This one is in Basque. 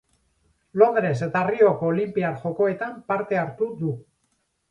Londres eta Rioko Olinpiar Jokoetan parte hartu du.